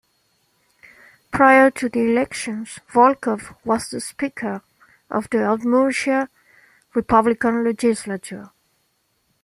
Prior to the elections, Volkov was the speaker of the Udmurtia Republican Legislature.